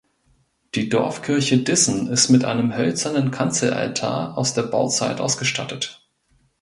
Die Dorfkirche Dissen ist mit einem hölzernen Kanzelaltar aus der Bauzeit ausgestattet.